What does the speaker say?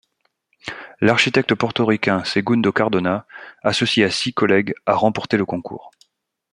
L'architecte portoricain Segundo Cardona associé à six collègues a remporté le concours.